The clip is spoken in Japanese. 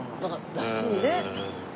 らしいね。